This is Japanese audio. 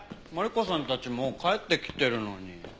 マリコさんたちもう帰ってきてるのに。